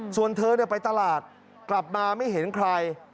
ส่วนเธอไปตลาดกลับมาไม่เห็นใคร